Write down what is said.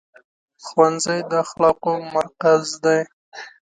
ښوونځی د اخلاقو مرکز دی.